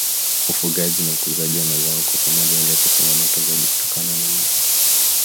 Ufugaji na ukuzaji wa mazao kwa pamoja huleta changamoto zaidi kutokana na malisho